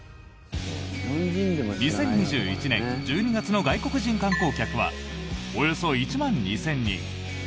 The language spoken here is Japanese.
２０２１年１２月の外国人観光客はおよそ１万２０００人。